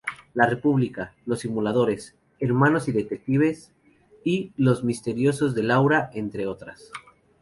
La República", "Los Simuladores", "Hermanos y detectives" y "Los misterios de Laura", entre otras.